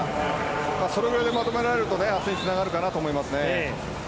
それぐらいでまとめられると明日につながるかなと思います。